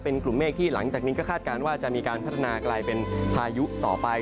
เป็นกลุ่มเมฆที่หลังจากนี้ก็คาดการณ์ว่าจะมีการพัฒนากลายเป็นพายุต่อไป